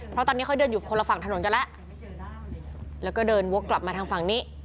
เพราะตอนนี้เขาเดินอยู่คนละฝั่งถนนกันแล้วแล้วก็เดินวกกลับมาทางฝั่งนี้